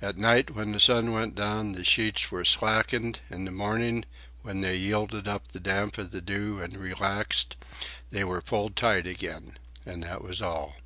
At night when the sun went down, the sheets were slackened; in the morning, when they yielded up the damp of the dew and relaxed, they were pulled tight again—and that was all.